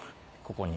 ここに。